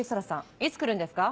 いつ来るんですか？